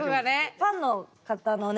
ファンの方のね